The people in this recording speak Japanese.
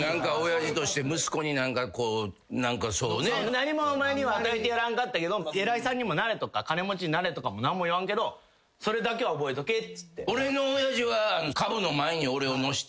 「何もお前には与えてやらんかったけど偉いさんにもなれとか金持ちになれとかも何も言わんけどそれだけは覚えとけ」っつって。